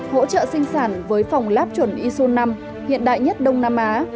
hỗ trợ sinh sản với phòng láp chuẩn isun năm hiện đại nhất đông nam á